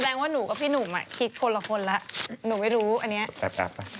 เอาเหรอ